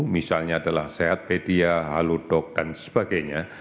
misalnya adalah seatpedia haludoc dan sebagainya